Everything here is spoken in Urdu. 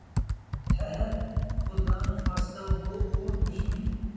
ھے ھے! خدا نخواستہ وہ اور دشمنی